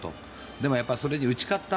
でも、それに打ち勝った。